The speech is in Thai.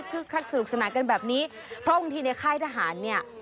เพราะบางทีในค่ายทหารเนี่ย